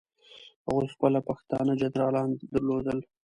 هغوی خپل پښتانه جنرالان درلودل.